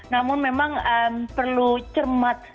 namun memang perlu cermat